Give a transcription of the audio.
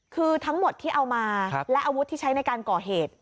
คือทั้งหมดที่เอามาและอาวุธที่ใช้ในการก่อเหตุ